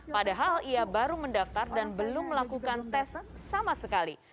padahal ia baru mendaftar dan belum melakukan tes sama sekali